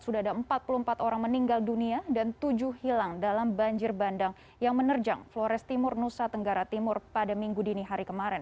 sudah ada empat puluh empat orang meninggal dunia dan tujuh hilang dalam banjir bandang yang menerjang flores timur nusa tenggara timur pada minggu dini hari kemarin